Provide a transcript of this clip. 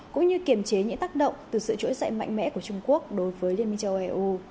cũng như kiểm chế những tác động từ sự trỗi dậy mạnh mẽ của trung quốc đối với liên minh châu âu